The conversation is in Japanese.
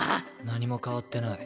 何も変わってない。